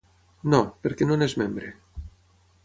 No, perquè no n’és membre.